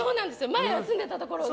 前住んでたところの。